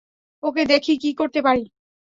ওকে, দেখি কি করতে পারি।